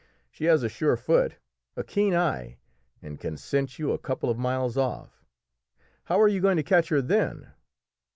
She has a sure foot, a keen eye, and can scent you a couple of miles off. How are you going to catch her, then?"